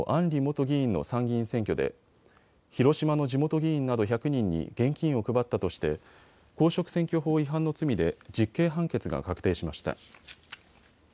里元議員の参議院選挙で広島の地元議員など１００人に現金を配ったとして公職選挙法違反の罪で実刑判決が確定しました。